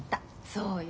そうよ。